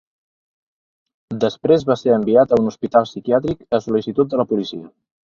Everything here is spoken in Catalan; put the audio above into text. Després va ser enviat a un hospital psiquiàtric a sol·licitud de la policia.